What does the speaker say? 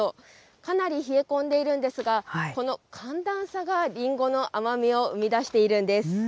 かなり冷え込んでいるんですが、この寒暖差がりんごの甘みを生み出しているんです。